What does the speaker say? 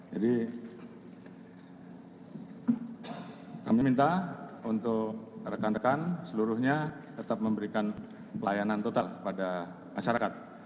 jadi kami minta untuk rekan rekan seluruhnya tetap memberikan pelayanan total kepada masyarakat